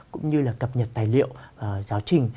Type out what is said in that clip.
cũng như là cập nhật tài liệu giáo trình